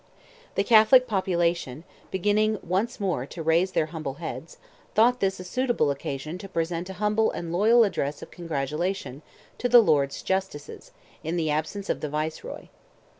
The Catholic population, beginning once more to raise their heads, thought this a suitable occasion to present a humble and loyal address of congratulation to the Lords Justices, in the absence of the Viceroy.